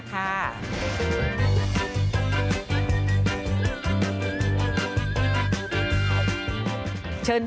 ซิโคงหมูสับ๑